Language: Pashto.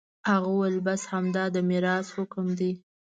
هغه وويل بس همدا د ميراث حکم دى.